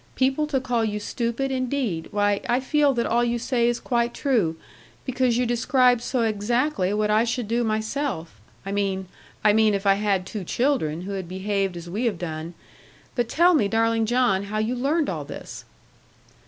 People to call you stupid indeed! Why, I feel that all you say is quite true, because you describe so exactly what I should do myself; I mean I mean if I had two children, who had behaved as we have done. But tell me, darling John, how you learned all this.'